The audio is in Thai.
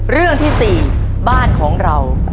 เรื่องที่๔บ้านของเรา